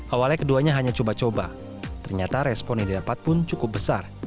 awalnya keduanya hanya coba coba ternyata respon yang didapat pun cukup besar